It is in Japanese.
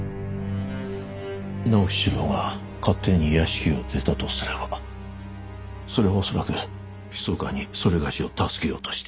直七郎が勝手に屋敷を出たとすればそれは恐らくひそかに某を助けようとして。